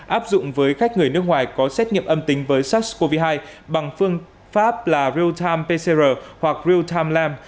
áp dụng với khách người nước ngoài có xét nghiệm âm tính với sars cov hai bằng phương pháp là real time pcr hoặc real time lam